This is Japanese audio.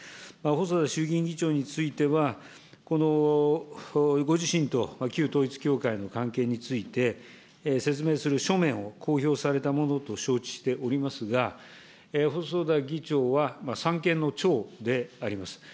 細田衆議院議長については、ご自身と旧統一教会との関係について、説明する書面を公表されたものと承知しておりますが、細田議長は三権の長であります。